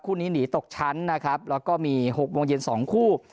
คู่นี้หนีตกชั้นนะครับแล้วก็มีหกวงเย็นสองคู่